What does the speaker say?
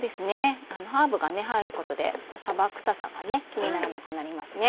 ハーブが入ることでさば臭さが気にならなくなりますね。